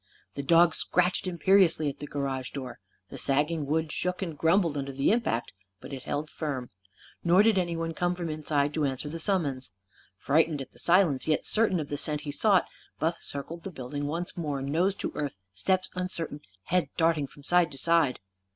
The dog scratched imperiously at the garage door. The sagging wood shook and grumbled under the impact. But it held firm. Nor did anyone come from inside to answer the summons. Frightened at the silence, yet certain of the scent he sought, Buff circled the building once more, nose to earth, steps uncertain, head darting from side to side.